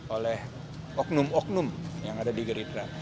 oleh oknum oknum yang ada di gerindra